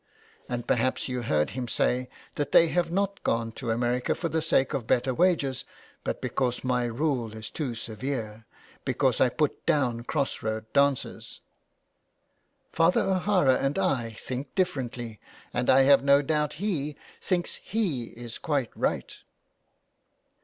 And perhaps you heard him say that they have not gone to America for the sake of better wages but because my rule is too severe, because I put down cross road dances. Father O'Hara and I think differently, and I have no doubt he thinks he is quite right."